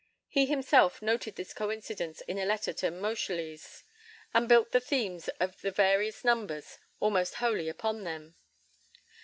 He himself noted this coincidence in a letter to Moscheles, and built the themes of the various numbers almost wholly upon them.